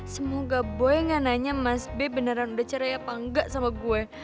semoga boy gak nanya mas be beneran udah cerai apa enggak sama gue